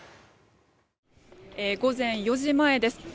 午前４時前です。